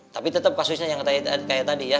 tapi tetap kasusnya yang kayak tadi ya